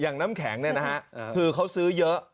น้ำแข็งเนี่ยนะฮะคือเขาซื้อเยอะ